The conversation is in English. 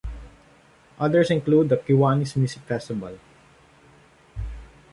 Others include the "Kiwanis Music Festival".